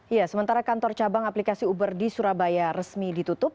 ya sementara kantor cabang aplikasi uber di surabaya resmi ditutup